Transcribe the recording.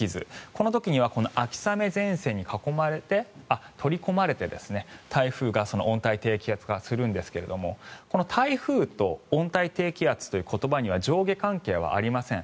この時には秋雨前線に取り込まれて台風が温帯低気圧化するんですがこの台風と温帯低気圧という言葉には上下関係はありません。